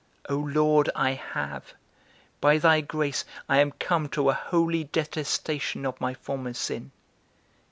O Lord, I have; by thy grace, I am come to a holy detestation of my former sin.